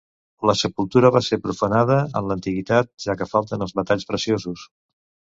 La sepultura va ser profanada en l'antiguitat, ja que falten els metalls preciosos.